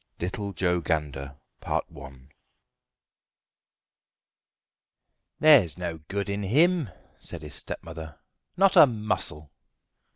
LITTLE JOE GANDER "There's no good in him," said his stepmother, "not a mossul!"